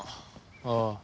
ああ。